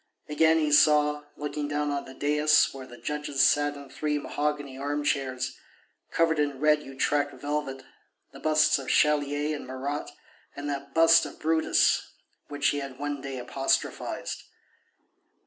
Again he saw, looking down on the daïs where the judges sat in three mahogany armchairs, covered in red Utrecht velvet, the busts of Chalier and Marat and that bust of Brutus which he had one day apostrophized.